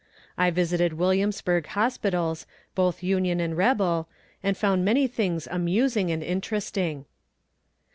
I visited Williamsburg Hospitals, both Union and rebel, and found many things amusing and interesting.